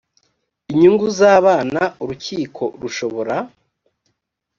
inyungu z abana urukiko rushobora